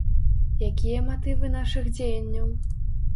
Якія матывы нашых дзеянняў?